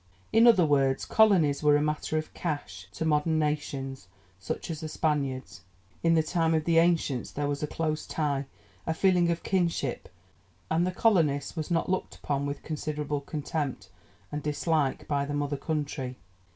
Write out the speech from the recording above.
In other words, colonies were a matter of 'cash' to modern nations, such as the Spaniards: in the time of the ancients there was a close tie, a feeling of kinship, and the colonist was not looked upon with considerable contempt and dislike by the Mother Country.